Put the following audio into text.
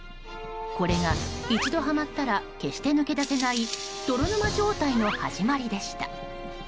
これが、一度はまったら決して抜け出せない泥沼状態の始まりでした。